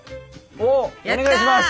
おっお願いします！